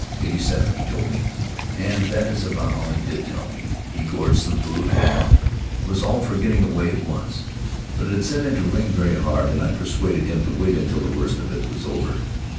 Eighty seven, he told me, and that is about all he did tell me. He gorged some food and was all for getting away at once. But it had set in to rain very hard and I persuaded him to wait until The Englishman's Story the worst of it was over.